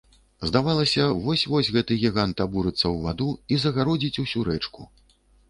Здавалася, вось-вось гэты гігант абурыцца ў ваду і загародзіць усю рэчку.